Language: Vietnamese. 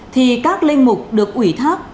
thì các linh mục được ủy thác